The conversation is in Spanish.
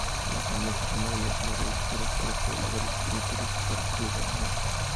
Las almejas amarillas son recolectadas por los pobladores y turistas para servir de alimento.